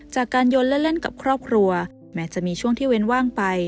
ยนต์และเล่นกับครอบครัวแม้จะมีช่วงที่เว้นว่างไป